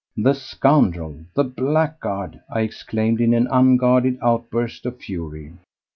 "The scoundrel! The blackguard!" I exclaimed in an unguarded outburst of fury.